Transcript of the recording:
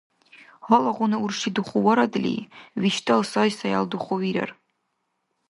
Халалгъуна урши духуварадли, виштӀал сайсаял духувирар.